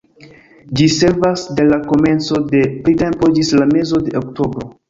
Ĝi servas de la komenco de printempo ĝis la mezo de oktobro.